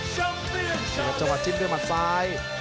นี่ครับเจ้าหาดจิ้มด้วยหมาดซ้าย